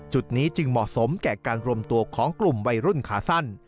จุดนี้จึงเหมาะสมแก่การรวมตัวของกลุ่มวัยรุ่นขาสั้น